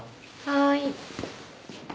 はい。